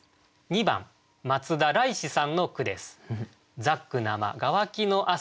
２番松田蕾子さんの句です。